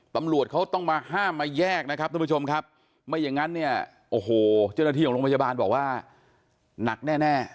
ตำรวจเขาต้องมาห้ามมาแยกนะครับทุกผู้ชมครับไม่อย่างนั้นเนี่ยโอ้โหเจ้าหน้าที่ของโรงพยาบาลบอกว่าหนักแน่